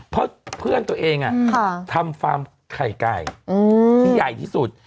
เพราะเพื่อนตัวเองทำฟาร์มไข่ไก่ที่ใหญ่ที่สุด